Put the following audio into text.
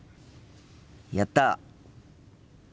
やった！